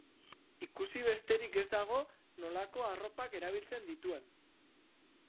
Ikusi besterik ez dago nolako arropak erabiltzen dituen.